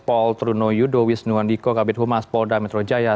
paul truno yudo wisnu andiko kabir humas paul damitro jaya